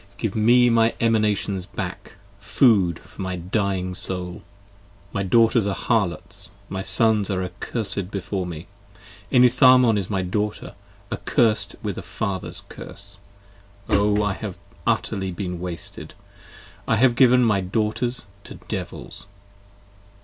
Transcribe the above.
Give me my Emanations back, food for my dying soul: My daughters are harlots: my sons are accursed before me. 15 Enitharmon is my daughter: accursed with a father's curse: O! I have utterly been wasted: I have given my daughters to devils.